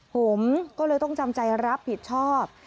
ผมก็เลยต้องจำใจรับผิดชอบ